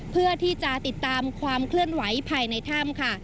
เพื่อที่จะติดตามความเคลื่อนไหวภายในถ้ำค่ะ